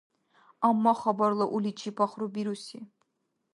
Амма хабарла уличи пахрубируси.